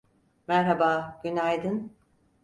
Merhaba, günaydın.